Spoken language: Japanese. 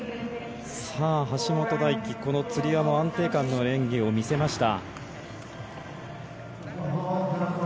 橋本大輝、このつり輪も安定感の演技を見せました。